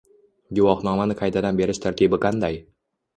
Guvohnomani qaytadan berish tartibi qanday?